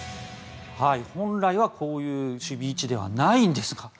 本来はこういう守備位置ではないんですが。